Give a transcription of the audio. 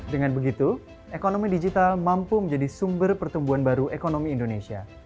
dengan begitu ekonomi digital mampu menjadi sumber pertumbuhan baru ekonomi indonesia